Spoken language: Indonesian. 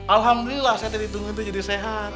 alhamdulillah saya tadi tunggu itu jadi sehat